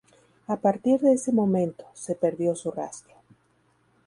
A partir de ese momento, se perdió su rastro.